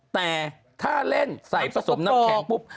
แต่ถ้าเล่นใส่ผสมน้ำแข็งปุ๊บ